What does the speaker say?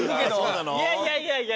いやいやいやいや。